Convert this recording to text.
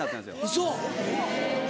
ウソ！